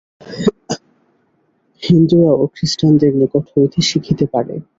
হিন্দুরাও খ্রীষ্টানদের নিকট হইতে শিখিতে পারে।